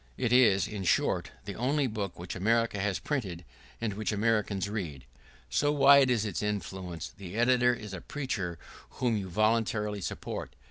It is, in short, the only book which America has printed and which America reads. So wide is its influence. The editor is a preacher whom you voluntarily support.